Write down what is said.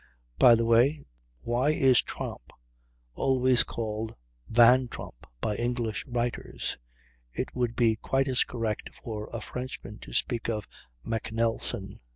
By the way, why is Tromp always called Van Tromp by English writers? It would be quite as correct for a Frenchman to speak of MacNelson.